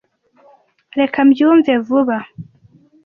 Reka mbyumve vuba.